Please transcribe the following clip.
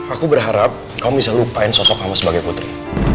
aku berharap kamu bisa lupain sosok kamu sebagai putri